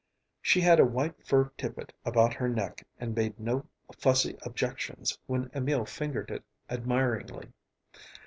She had a white fur tippet about her neck and made no fussy objections when Emil fingered it admiringly.